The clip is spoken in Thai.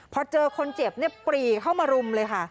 พอเจอคนเจ็บเนี่ยปรีเข้ามารุมเลยค่ะ